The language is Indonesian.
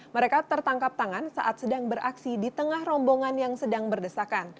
mereka tertangkap tangan saat sedang beraksi di tengah rombongan yang sedang berdesakan